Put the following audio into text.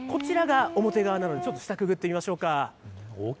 こちらが、表側なので、ちょっと下くぐってみましょうか。